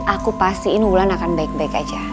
aku pastiin bulan akan baik baik aja